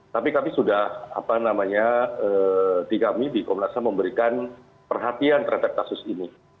tapi kami sudah apa namanya di kami di komnas ham memberikan perhatian terhadap kasus ini